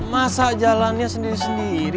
masa jalannya sendiri sendiri